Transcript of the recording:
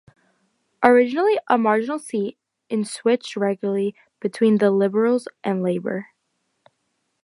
Originally a marginal seat, it switched regularly between the Liberals and Labor.